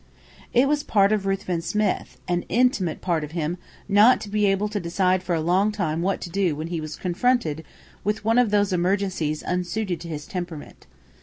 It was part of Ruthven Smith, an intimate part of him, not to be able to decide for a long time what to do when he was confronted with one of those emergencies unsuited to his temperament.